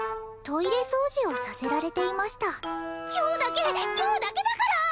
トイレ掃除をさせられていました今日だけ今日だけだから！